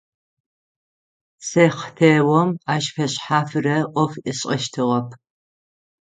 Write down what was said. Сэхтеом ащ фэшъхьафрэ ӏоф ышӏэщтыгъэп.